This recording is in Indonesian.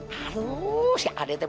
halus ya raden